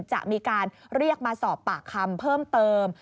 จะมีการเรียกมาสอบปากคำเพิ่มเติม